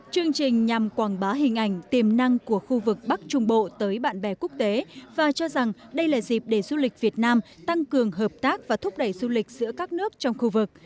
chương trình nhằm quảng bá hình ảnh tiềm năng của khu vực bắc trung bộ tới bạn bè quốc tế và cho rằng đây là dịp để du lịch việt nam tăng cường hợp tác và thúc đẩy du lịch giữa các nước trong khu vực